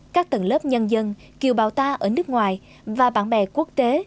các tầng lớp nhân dân kiều bào ta ở nước ngoài và bạn bè quốc tế